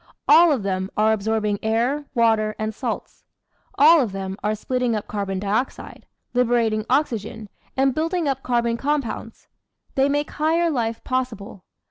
All of them are absorbing air, water, and salts; all of them are splitting up carbon dioxide, liberating oxy gen, and building up carbon compounds: they make higher life possible.